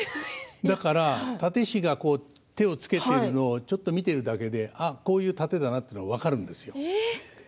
だから殺陣師が手をつけているのをちょっと見ているだけでこういう殺陣だなと分かるんですよ。